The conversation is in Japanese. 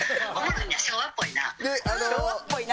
「昭和っぽいな」。